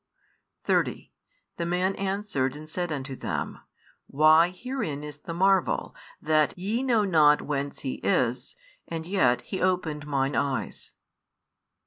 30 The man answered and said unto them, Why, herein is the marvel, that ye know not whence He is, and yet He opened mine eyes.